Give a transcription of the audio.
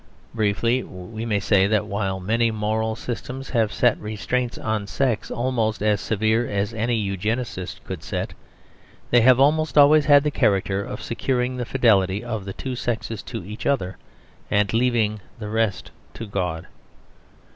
Briefly, we may say that while many moral systems have set restraints on sex almost as severe as any Eugenist could set, they have almost always had the character of securing the fidelity of the two sexes to each other, and leaving the rest to God.